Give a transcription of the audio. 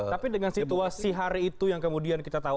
tapi dengan situasi hari itu yang kemudian kita tahu